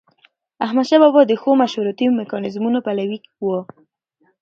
احمدشاه بابا د ښو مشورتي میکانیزمونو پلوي و.